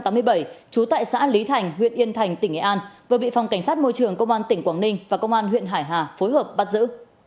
trú tại xã lý thành huyện yên thành tỉnh nghệ an vừa bị phòng cảnh sát môi trường công an tỉnh quảng ninh và công an huyện hải hà phối hợp bắt giữ